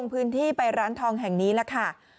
พื้นที่ไปร้านทองแห่งนี้ล่ะค่ะ